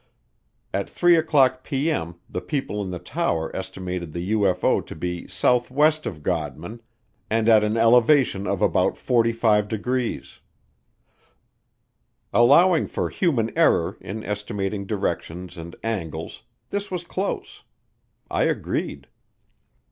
At 3:00P.M. the people in the tower estimated the UFO to be southwest of Godman and at an elevation of about 45 degrees. Allowing for human error in estimating directions and angles, this was close. I agreed.